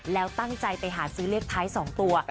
แล้วตั้งใจไปหาซื้อเลขท้าย๒ตัว